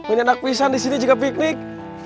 ini anak pisan di sini juga piknik